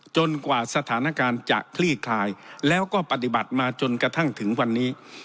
กว่าสถานการณ์จะคลี่คลายแล้วก็ปฏิบัติมาจนกระทั่งถึงวันนี้